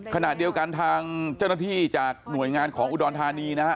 ขณะเดียวกันทางเจ้าหน้าที่จากหน่วยงานของอุดรธานีนะฮะ